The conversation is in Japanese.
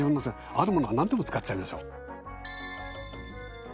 あるものは何でも使っちゃいましょう。